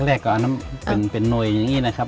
แรกก็อันนั้นเป็นหน่วยอย่างนี้นะครับ